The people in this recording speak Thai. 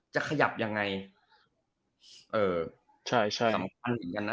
จะขยับยังไงสำคัญเหมือนกันนะ